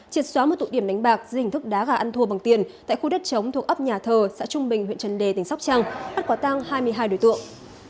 triệt xóa một tụ điểm đánh bạc dưới hình thức đá gà ăn thua bằng tiền tại khu đất chống thuộc ấp nhà thờ xã trung bình huyện trần đề tỉnh sóc trăng bắt quả tang hai mươi hai đối tượng